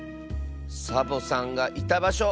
サボさんがいたばしょ。